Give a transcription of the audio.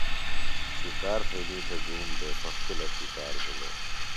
شکار تھینئی تھےۡ گوم دےۡ پخپُلہ شِکار بِھلوۡ۔